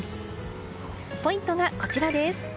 ポイントがこちらです。